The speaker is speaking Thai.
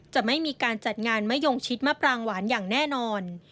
จะไม่มีการจัดงานมะยงชิดมะปรางหวานอย่างแน่นอน